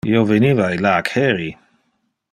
Io veniva illac heri.